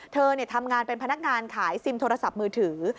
เธอทำงานเป็นพนักงานขายซิมโทรศัพท์มือถือ